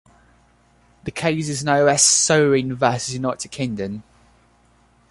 The case is known as "Soering versus United Kingdom".